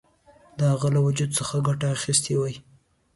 د هغه له وجود څخه ګټه اخیستې وای.